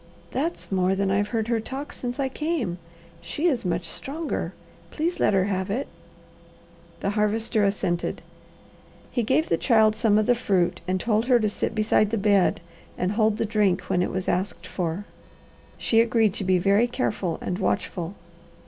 "That's more than I've heard her talk since I came. She is much stronger. Please let her have it." The Harvester assented. He gave the child some of the fruit, and told her to sit beside the bed and hold the drink when it was asked for. She agreed to be very careful and watchful.